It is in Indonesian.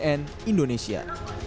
tim liputan cnn indonesia